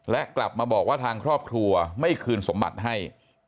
และกลับมาบอกว่าทางครอบครัวไม่คืนสมบัติให้